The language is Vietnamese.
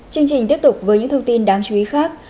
chương trình tiếp tục với những thông tin đáng chú ý khác